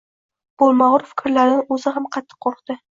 Bo`lmag`ur fikrlaridan o`zi ham qattiq qo`rqdi